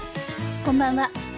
こんばんは。